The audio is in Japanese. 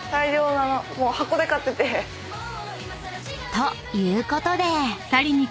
［ということで］